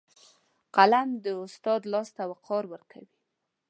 قلم د استاد لاس ته وقار ورکوي